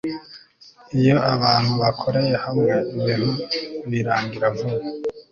iyo abantu bakoreye hamwe ibintu birangira vuba